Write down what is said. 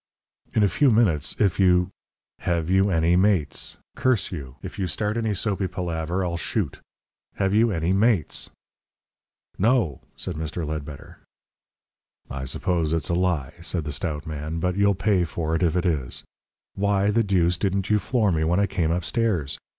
"In a few minutes, if you " "Have you any mates? Curse you. If you start any soapy palaver I'll shoot. Have you any mates?" "No," said Mr. Ledbetter. "I suppose it's a lie," said the stout man. "But you'll pay for it if it is. Why the deuce didn't you floor me when I came upstairs?